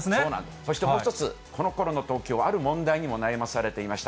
そしてもう一つ、このころの東京はある問題にも悩まされていました。